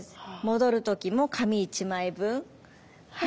戻る時も紙１枚分。